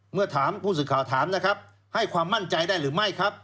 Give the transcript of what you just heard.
เมื่อถามผู้สื่อข่าวถามนะครับให้ความมั่นใจได้หรือไม่ครับ